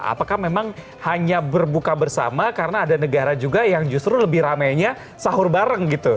apakah memang hanya berbuka bersama karena ada negara juga yang justru lebih ramainya sahur bareng gitu